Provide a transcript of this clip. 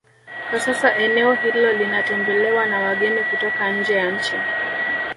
Kwa sasa eneo hilo linatembelewa na wageni kutoka nje ya nchi